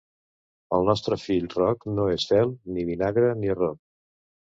El nostre fill Roc no és fel, ni vinagre, ni arrop.